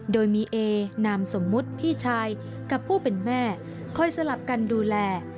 โดยมีเอนามสมมุติพี่ชายกับผู้เป็นแม่คอยสลับกันดูแล